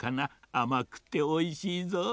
あまくておいしいぞ。